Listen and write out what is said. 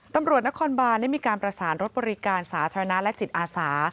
ตำรวจนครบานได้มีการประสานรถบริการสาธารณะและจิตอาสา